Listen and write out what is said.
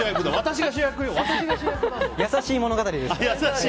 優しい物語ですから。